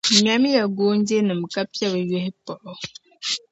Ŋmɛmiya goonjinim’ ka piɛbi yuhi paɣi o.